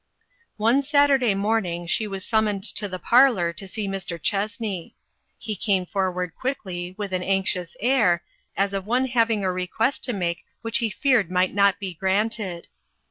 One Saturday morning she was summoned to the parlor to see Mr. Chessney. He came forward quickly, with an anxious air, as of one having a request to make which he feared might not be granted.